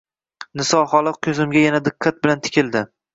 Niso xola ko‘zimga yana diqqat bilan tikildi.